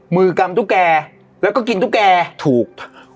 กำตุ๊กแกแล้วก็กินตุ๊กแกถูก